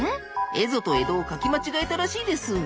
蝦夷と江戸を書き間違えたらしいです。